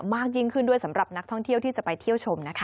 มากยิ่งขึ้นด้วยสำหรับนักท่องเที่ยวที่จะไปเที่ยวชมนะคะ